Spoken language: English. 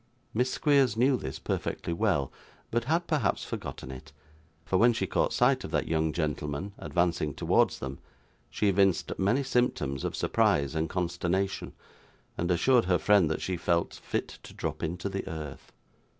Miss Squeers knew this perfectly well, but had perhaps forgotten it, for when she caught sight of that young gentleman advancing towards them, she evinced many symptoms of surprise and consternation, and assured her friend that she 'felt fit to drop into the earth.